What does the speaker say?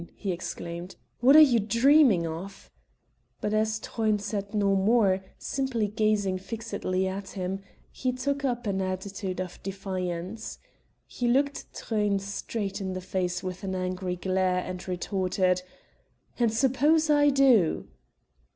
he exclaimed; "what are you dreaming of?" But as Truyn said no more, simply gazing fixedly at him, he took up an attitude of defiance. He looked Truyn straight in the face with an angry glare and retorted: "And suppose I do?"